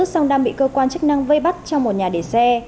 song đang bị cơ quan chức năng vây bắt trong một nhà để xe